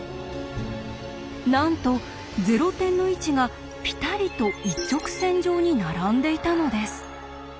なんとゼロ点の位置がピタリと一直線上に並んでいたのです。